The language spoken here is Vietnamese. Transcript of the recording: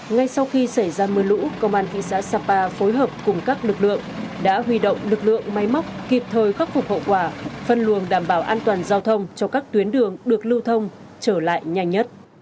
ngay sau khi xảy ra mưa lũ công an thị xã sapa phối hợp cùng các lực lượng đã huy động lực lượng máy móc kịp thời khắc phục hậu quả phân luồng đảm bảo an toàn giao thông cho các tuyến đường được lưu thông trở lại nhanh nhất